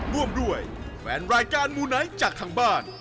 ร่วมด้วยแฟนรายการมูไนท์จากทางบ้าน